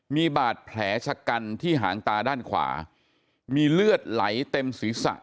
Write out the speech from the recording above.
มีบาดแผลชะกันที่หางตาด้านขวามีเลือดไหลเต็มศีรษะ